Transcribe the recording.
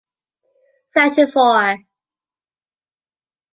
Thirty-four.